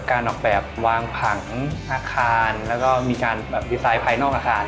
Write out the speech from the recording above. การออกแบบวางผังอาคารแล้วก็มีการแบบดีไซน์ภายนอกอาคาร